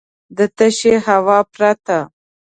د تشې هوا پرته .